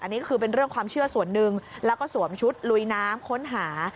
อันนี้ก็คือเป็นเรื่องความเชื่อส่วนหนึ่งแล้วก็สวมชุดลุยน้ำค้นหา